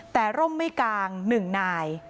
แต่ร่มไม่กลาง๑นาย